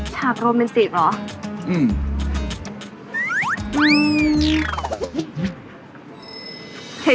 ฉากโรแมนติกเหรอ